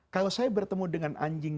kalau saya bertemu dengan anjing